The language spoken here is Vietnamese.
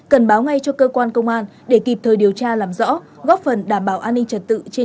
cần báo ngay cho cơ quan công an để kịp thời điều tra làm rõ góp phần đảm bảo an ninh trật tự trên